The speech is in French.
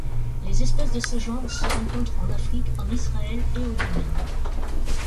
Les espèces de ce genre se rencontrent en Afrique, en Israël et au Yémen.